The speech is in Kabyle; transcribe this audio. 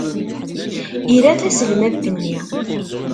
Ira taselmadt-nni.